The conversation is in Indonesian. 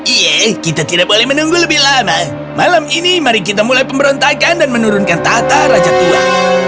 iya kita tidak boleh menunggu lebih lama malam ini mari kita mulai pemberontakan dan menurunkan tata raja tua